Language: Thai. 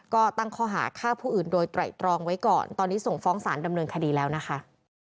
ก็ตั้งข้อหาฆ่าผู้อื่นโดยไตรตรองไว้ก่อนตอนนี้ส่งฟ้องสารดำเนินคดีแล้วนะคะ